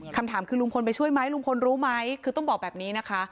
คำถามคือลุงพลไปช่วยไหมลุงพลรู้ไหมคือต้องบอกแบบนี้นะคะ